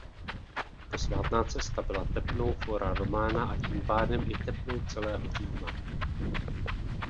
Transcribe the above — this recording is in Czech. Posvátná cesta byla tepnou Fora Romana a tím pádem i tepnou celého Říma.